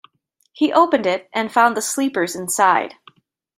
He opened it and found the sleepers inside.